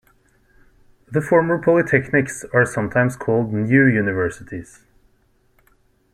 The former polytechnics are sometimes called new universities.